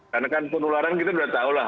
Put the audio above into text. karena kan penularan kita sudah tahu lah